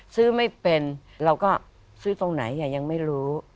ซื้อไม่เป็นเราก็ซื้อตรงไหนยังไม่รู้